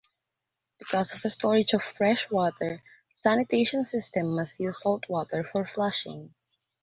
Because of the shortage of fresh water, sanitation systems must use saltwater for flushing.